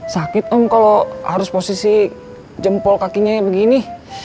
sakit om kalau harus posisi jempol kakinya begini